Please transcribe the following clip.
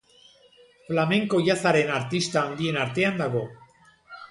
Flamenko-jazzaren artista handien artean dago.